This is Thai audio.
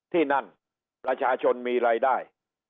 ที่นั่นประชาชนมีรายได้